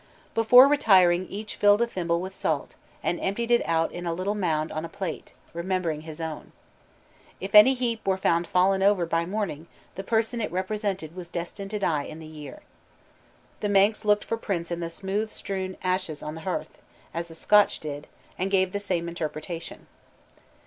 Before retiring each filled a thimble with salt, and emptied it out in a little mound on a plate, remembering his own. If any heap were found fallen over by morning, the person it represented was destined to die in a year. The Manx looked for prints in the smooth strewn ashes on the hearth, as the Scotch did, and gave the same interpretation.